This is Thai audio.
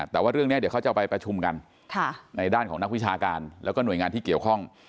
แต่ว่าเรื่องนี้เดี๋ยวเขาจะไปประชุมกันในด้านของนักวิชาการแล้วก็หน่วยงานที่เกี่ยวข้อง